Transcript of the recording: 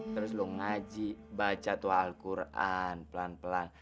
terus lo ngaji baca tu'al quran pelan pelan